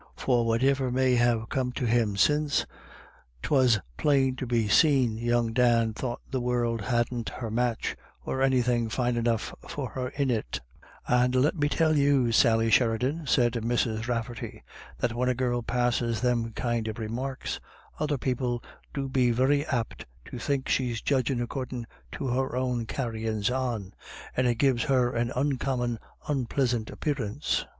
For whativer may have come to him since, 'twas plain to be seen young Dan thought the warld hadn't her match, or anythin' fine enough for her in it" "And let me tell you, Sally Sheridan," said Mrs. RafTerty, "that when a girl passes them kind of remarks, other people do be very apt to think she's judgin' accordin' to her own carryins on, and it gives her an oncommon onplisant ap pearance."